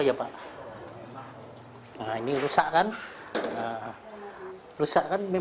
prejudice terhadap seorang pembawa czyli bupahum yang berada di pabrik nouvelles